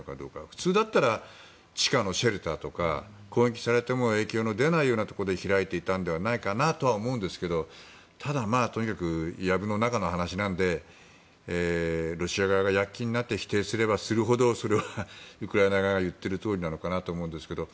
普通だったら地下のシェルターとか攻撃されても影響の出ないところで開いていたんじゃないかとは思うんですけどただ、藪の中の話なのでロシア側が躍起になって否定すればするほどそれはウクライナ側が言っているとおりなのかと思いますけど。